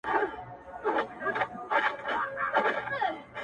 • سلده ګان که هوښیاران دي فکر وړي,